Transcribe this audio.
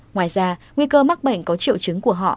ngoài ra nguy cơ mắc bệnh có triệu chứng của họ